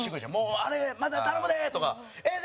「あれ、また、頼むで！」とか「ええで！」